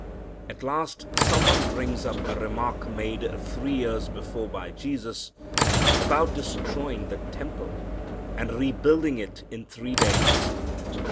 At last some one brings up a remark made three years before by Jesus about destroying the temple and rebuilding it in three days.